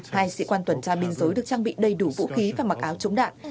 hai sĩ quan tuần tra biên giới được trang bị đầy đủ vũ khí và mặc áo chống đạn